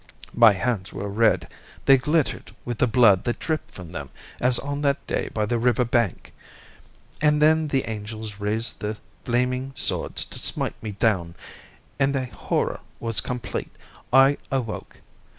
My hands were red; they glittered with the blood that dripped from them as on that day by the river bank. And then the angels raised their flaming swords to smite me down, and the horror was complete—I awoke.